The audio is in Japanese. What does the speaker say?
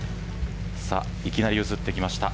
いきなり映ってきました。